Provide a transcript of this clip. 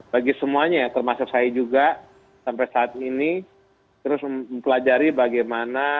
bagi semuanya termasuk saya juga sampai saat ini terus mempelajari bagaimana